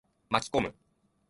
巻き込む。